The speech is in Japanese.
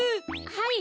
はい。